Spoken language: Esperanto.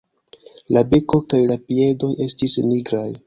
La beko kaj la piedoj estis nigraj.